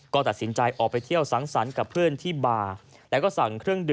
ก็ตัดสินใจออกไปเที่ยวสังสรรค์กับเพื่อนที่บาร์